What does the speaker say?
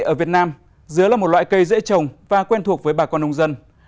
ở việt nam dứa là một loại cây dễ trồng và quen thuộc với bà con nông dân